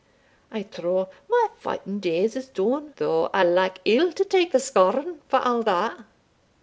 I trow my fighting days is done, though I like ill to take the scorn, for a' that.